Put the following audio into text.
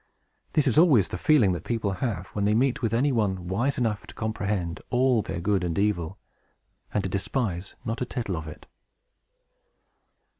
This is always the feeling that people have, when they meet with any one wise enough to comprehend all their good and evil, and to despise not a tittle of it.